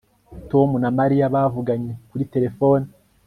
Tom na Mariya bavuganye kuri terefone